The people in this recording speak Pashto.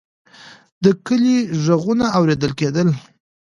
د کلي غږونه اورېدل کېدل.